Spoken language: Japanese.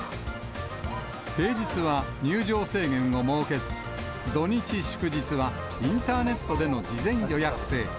平日は入場制限を設けず、土日祝日はインターネットでの事前予約制。